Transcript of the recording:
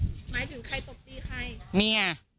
หมายถึงใครตบตี